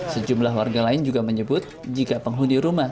sejumlah warga lain juga menyebut jika penghuni rumah